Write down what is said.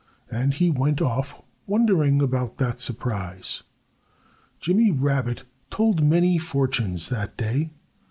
And he went off wondering about that surprise. Jimmy Rabbit told many fortunes that day.